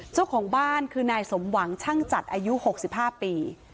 เจ้าของบ้านคือนายสมหวังช่างจัดอายุ๖๕ปี